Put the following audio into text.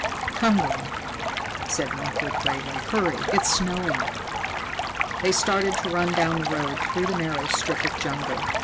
"Come, girl," said Northwood gravely. "Hurry! It's snowing." They started to run down the road through the narrow strip of jungle.